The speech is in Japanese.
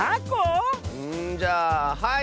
んじゃあはい！